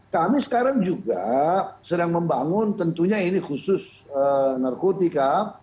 kami sekarang juga sedang membangun tentunya ini khusus narkotika